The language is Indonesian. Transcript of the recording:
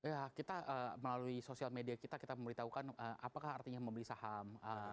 ya kita melalui sosial media kita kita memberitahukan apakah artinya membeli saham